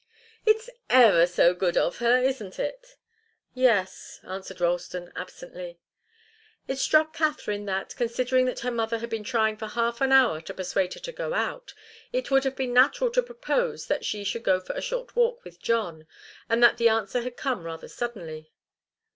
It's ever so good of her, isn't it?" "Yes," answered Ralston, absently. It struck Katharine that, considering that her mother had been trying for half an hour to persuade her to go out, it would have been natural to propose that she should go for a short walk with John, and that the answer had come rather suddenly.